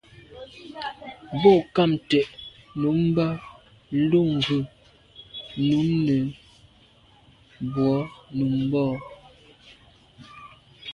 Bo ghamt’é nummb’a lo ghù numebwô num bo.